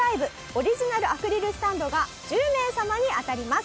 オリジナルアクリルスタンドが１０名様に当たります。